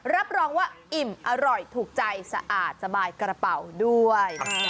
รับรองว่าอิ่มอร่อยถูกใจสะอาดสบายกระเป๋าด้วย